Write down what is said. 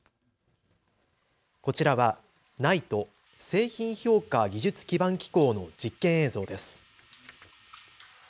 こちらはＮＩＴＥ・製品評価技術基盤機構の実験映像です。